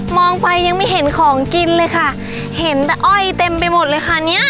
ไปยังไม่เห็นของกินเลยค่ะเห็นแต่อ้อยเต็มไปหมดเลยค่ะเนี้ย